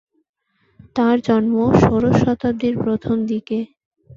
তাঁর জন্ম ষোড়শ শতাব্দীর প্রথম দিকে।